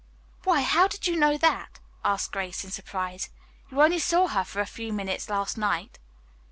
"Why, how did you know that?" asked Grace in surprise. "You only saw her for a few minutes last night."